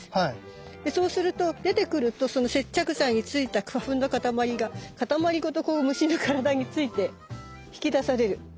そうすると出てくるとその接着剤についた花粉のかたまりがかたまりごとこう虫の体について引き出される。